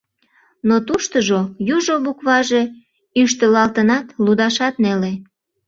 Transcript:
Но туштыжо южо букваже ӱштылалтынат, лудашат неле.